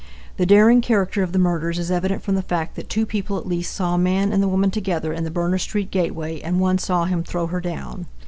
The daring character of the murders is evident from the fact that two people at least saw a man and the woman together in the Berner street gateway, and one saw him throw her down.